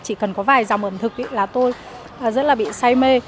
chỉ cần có vài dòng ẩm thực là tôi rất là bị say mê